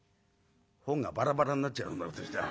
「本がバラバラになっちゃうそんなことしたら。